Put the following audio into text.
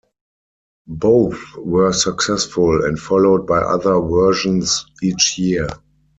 Both were successful and followed by other versions each year.